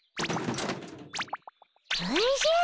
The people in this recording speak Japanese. おじゃ！